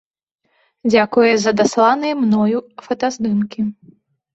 Дзякуе за дасланыя мною фотаздымкі.